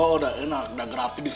oh udah enak udah gratis